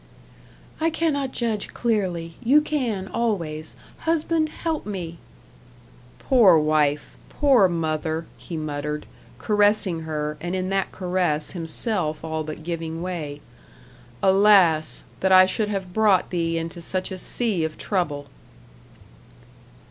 "I cannot judge clearly. You can always. Husband, help me!" "Poor wife! poor mother!" he muttered, caressing her, and in that caress himself all but giving way "Alas! that I should have brought thee into such a sea of trouble."